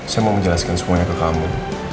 saya mau menjelaskan semuanya ke kamu